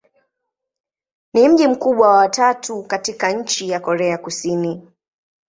Ni mji mkubwa wa tatu katika nchi wa Korea Kusini.